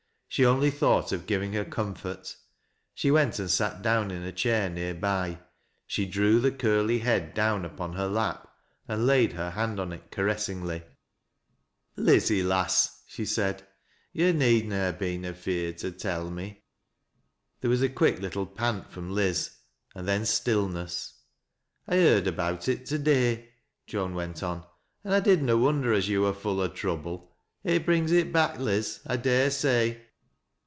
She only thought of giving her comfort. She went and sat down in a chair near by she drew the curly head down upon her lap, and laid hei hand on it caressingly. 156 THAT LABS Q LOWBISPB. " Lizzie, lass," she said ;" 3^0' need na ha' been afeard fe tell me." There was a quick little pant from Liz, and then still ness. " I heard about it to day," Joan went on, " an' I did na wonder as yo' wur full o' trouble. It brings it back, Liz, I dai e say."